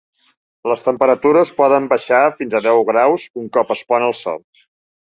Les temperatures poden baixar fins a deu graus un cop es pon el sol.